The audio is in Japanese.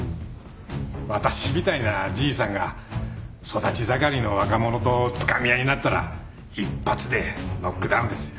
私みたいなじいさんが育ち盛りの若者とつかみ合いになったら一発でノックダウンですよ。